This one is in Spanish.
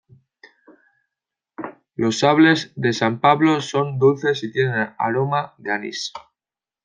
Los sables de San Pablo son dulces y tienen aroma de anís.